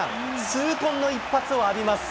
痛恨の一発を浴びます。